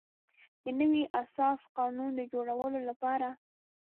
د نوي اساسي قانون د جوړولو لپاره.